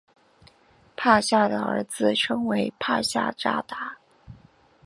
帕夏的儿子称为帕夏札达。